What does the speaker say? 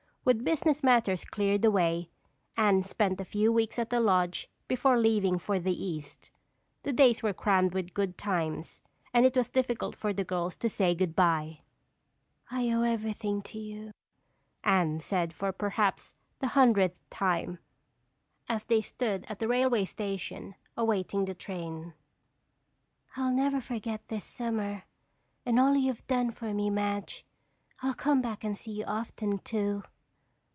With business matters cleared away, Anne spent a few weeks at the lodge before leaving for the east. The days were crammed with good times and it was difficult for the girls to say goodbye. "I owe everything to you," Anne said for perhaps the hundredth time, as they stood at the railway station awaiting the train. "I'll never forget this summer and all you've done for me, Madge. I'll come back and see you often too."